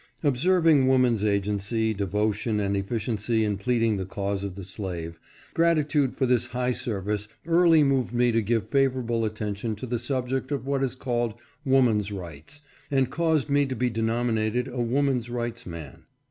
Observing woman's agency, devotion, and efficiency in pleading the cause of the slave, gratitude for this high service early moved me to give favorable attention to the subject of what is called "woman's rights " and caused me to be denominated a woman 's rights man.